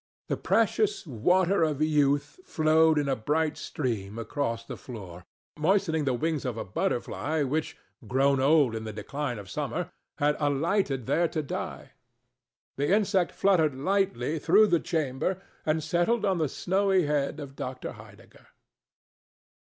The precious Water of Youth flowed in a bright stream across the floor, moistening the wings of a butterfly which, grown old in the decline of summer, had alighted there to die. The insect fluttered lightly through the chamber and settled on the snowy head of Dr. Heidegger.